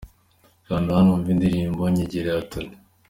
Kanda hano wumve indirimbo Nyegera ya Tonny.